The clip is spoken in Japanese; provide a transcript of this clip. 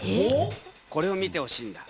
これを見てほしいんだ。